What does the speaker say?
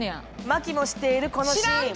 麻貴も知っているこのシーン。